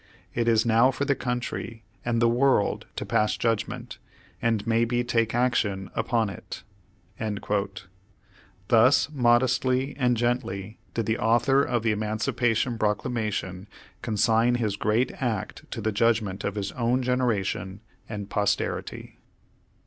It is now for the country and the world to pass judgment, and maybe take action upon it." Thus modestly and gently did the author of the Emancipation Proclamation consign his great act to the judgment of his own generation and posterity.